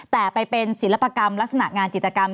แต่ไปเป็นศิลปกรรมลักษณะงานจิตกรรม